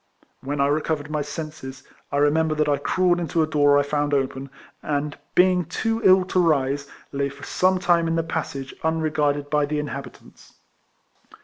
Wh^n I recovered my senses, I remember that I crawled into a door 1 found open, and, being too ill to rise, lay for some time in the passage unregarded by the inhabitants.